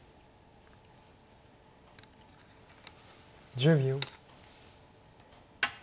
１０秒。